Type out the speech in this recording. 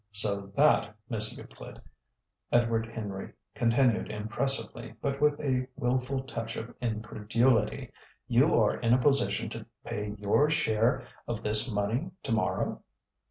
"So that, Miss Euclid," Edward Henry continued impressively but with a wilful touch of incredulity, "you are in a position to pay your share of this money to morrow?"